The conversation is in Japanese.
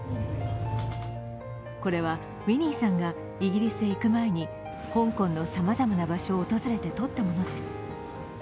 これは、ウィニーさんがイギリスへ行く前に香港のさまざまな場所を訪れて撮ったものです。